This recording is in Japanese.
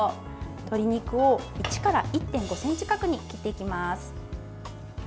鶏肉を１から１．５ｃｍ角に切っていきます。